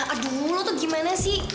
aduh mulu tuh gimana sih